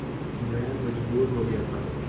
میں مجبور ہو گیا تھا